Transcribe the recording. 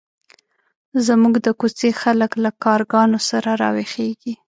زموږ د کوڅې خلک له کارګانو سره راویښېږي.